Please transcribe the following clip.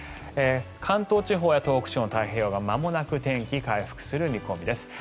関東地方や東北地方の太平洋側はまもなく天気回復する見込みです。